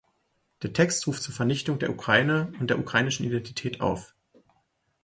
Der Text ruft zur Vernichtung der Ukraine und der ukrainischen Identität auf.